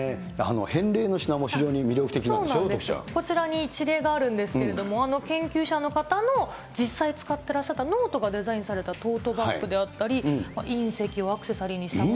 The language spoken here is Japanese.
返礼の品も非常に魅力的なんこちらに一例があるんですけれども、研究者の方の実際使ってらっしゃったノートがデザインされたトートバックであったり、隕石をアクセサリーにしたもの。